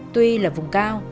tuy là vùng cao